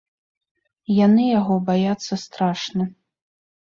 Яны яго баяцца страшна.